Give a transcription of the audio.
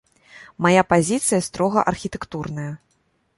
Мая пазіцыя строга архітэктурная.